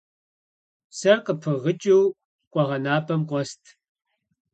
Псэр къыпыгъыкӀыу къуэгъэнапӀэм къуэст.